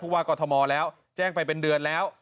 พูดว่ากฎธมอล์แล้วแจ้งไปเป็นเดือนแล้ว